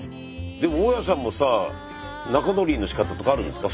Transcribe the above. でも大家さんもさ仲直りのしかたとかあるんですか？